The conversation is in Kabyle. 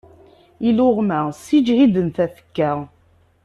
Iluɣma ssiǧhiden tafekka.